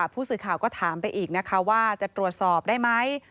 ผู้สื่อข่าวก็ถามไปอีกนะคะว่าจะตรวจสอบได้ไหม